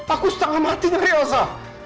aku setengah mati dari elsa